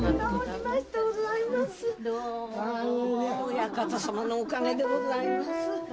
お館様のおかげでございます。